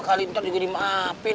kali ntar juga di maafin